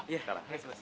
ya terima kasih bos